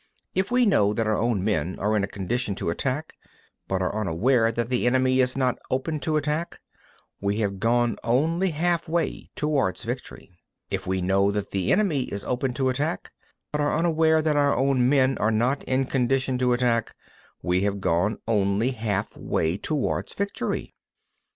27. If we know that our own men are in a condition to attack, but are unaware that the enemy is not open to attack, we have gone only halfway towards victory. 28. If we know that the enemy is open to attack, but are unaware that our own men are not in a condition to attack, we have gone only halfway towards victory.